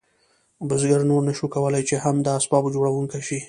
بزګر نور نشو کولی چې هم د اسبابو جوړونکی شي.